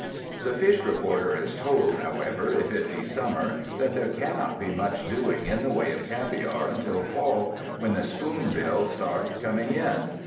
The fish reporter is told, however, if it be summer, that there cannot be much doing in the way of caviar until fall, "when the spoonbill start coming in."